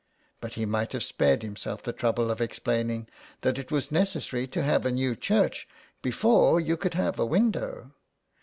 But he might have spared himself the trouble of explain ing that it was necessary to have a new church before you could have a window.